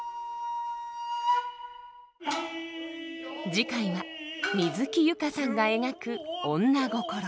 次回は水木佑歌さんが描く女心。